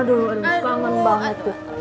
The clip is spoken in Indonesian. aduh kangen banget tuh